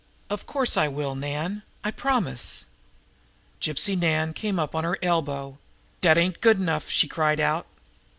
"Of course, I will, Nan. I promise." Gypsy Nan came up on her elbow. "Dat ain't good enough!" she cried out.